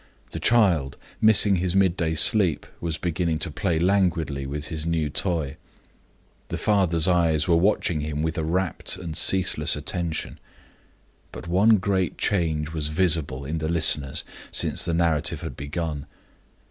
The child, missing his midday sleep, was beginning to play languidly with his new toy. The father's eyes were watching him with a rapt and ceaseless attention. But one great change was visible in the listeners since the narrative had begun.